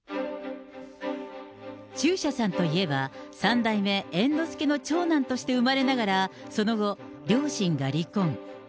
中車さんといえば、三代目猿之助の長男として生まれながら、その後、両親が離婚。